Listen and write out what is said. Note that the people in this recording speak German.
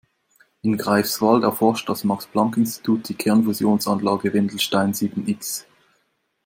In Greifswald erforscht das Max-Planck-Institut die Kernfusionsanlage Wendelstein sieben-X.